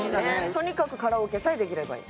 とにかくカラオケさえできればいい。